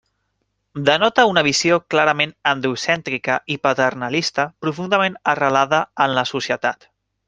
Denota una visió clarament androcèntrica i paternalista profundament arrelada en la societat.